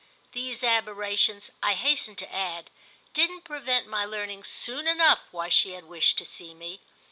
These aberrations, I hasten to add, didn't prevent my learning soon enough why she had wished to see me.